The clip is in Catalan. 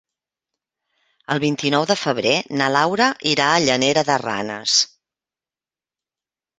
El vint-i-nou de febrer na Laura irà a Llanera de Ranes.